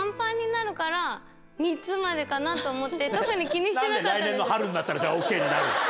までかなと思って特に気にしてなかったんですよ。